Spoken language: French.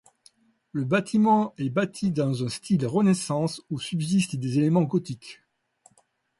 Le bâtiment est bâti dans un style Renaissance où subsistent des éléments gothiques.